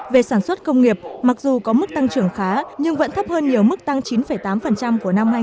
về sản xuất công nghiệp mặc dù có mức tăng trưởng khá nhưng vẫn thấp hơn nhiều mức tăng chín tám của năm hai nghìn một mươi tám